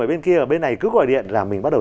ở bên kia bên này cứ gọi điện là mình bắt đầu